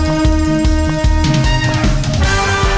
สวัสดีค่ะสวัสดีค่ะ